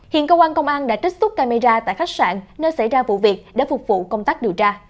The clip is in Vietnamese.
hiện cơ quan công an đã trích xuất camera tại khách sạn nơi xảy ra vụ việc để phục vụ công tác điều tra